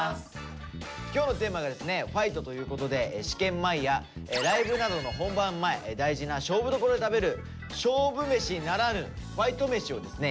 今日のテーマがですね「ファイト」ということで試験前やライブなどの本番前大事な勝負どころで食べる勝負飯ならぬファイト飯をですね